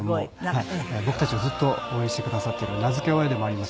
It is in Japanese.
僕たちをずっと応援してくださっている名付け親でもあります